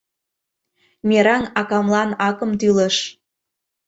Мераҥ акамлан акым тӱлыш —